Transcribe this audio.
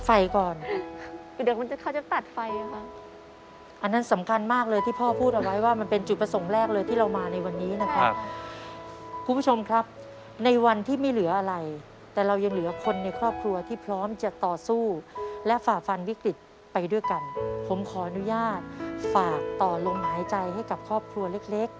อันนั้นสำคัญมากเลยที่พ่อพูดเอาไว้ว่ามันเป็นจุดประสงค์แรกเลยที่เรามาในวันนี้นะครับคุณผู้ชมครับในวันที่ไม่เหลืออะไรแต่เรายังเหลือคนในครอบครัวที่พร้อมจะต่อสู้และฝ่าฟันวิกฤตไปด้วยกันผมขออนุญาตฝากต่อลงหายใจให้กับครอบครัวและคุณผู้ชมครับคุณผู้ชมครับในวันที่ไม่เหลืออะไรแต่เรายังเหลือคนในครอบ